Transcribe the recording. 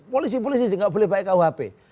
polisi polisi sih nggak boleh pakai kuhp